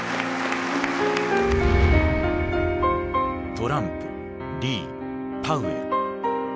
トランプリーパウエル。